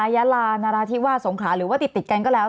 ยาลานราธิวาสสงขาหรือว่าติดกันก็แล้ว